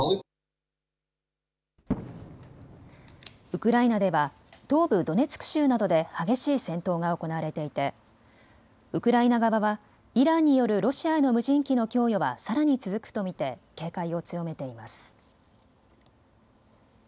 ウクライナでは東部ドネツク州などで激しい戦闘が行われていてウクライナ側はイランによるロシアへの無人機の供与はさらに続くと見て警戒を強めています。